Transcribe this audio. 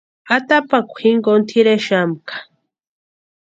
Atapakwa jinkoni tʼirexamka.